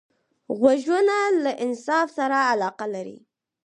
غوږونه له انصاف سره علاقه لري